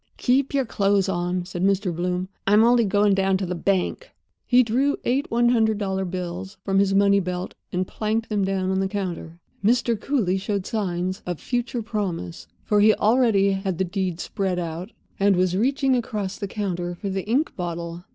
"Keep your clothes on," said Mr. Bloom. "I'm only going down to the bank." He drew eight one hundred dollar bills from his money belt and planked them down on the counter. Mr. Cooly showed signs of future promise, for he already had the deed spread out, and was reaching across the counter for the ink bottle.